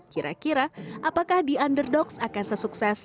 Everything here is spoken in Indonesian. kira kira apakah the underdogs akan sesukses